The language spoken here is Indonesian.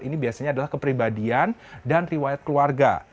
ini biasanya adalah kepribadian dan riwayat keluarga